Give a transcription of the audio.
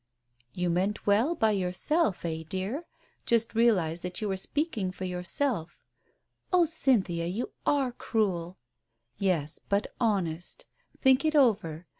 "You meant well by yourself, eh, dear? Just realize that you were speaking for yourself " "Oh, Cynthia, you are cruel." "Yes, but honest. Think it over.